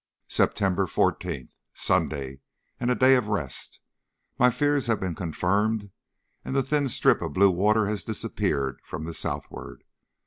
September 14th. Sunday, and a day of rest. My fears have been confirmed, and the thin strip of blue water has disappeared from the southward.